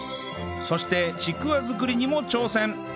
そしてちくわ作りにも挑戦！